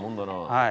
はい。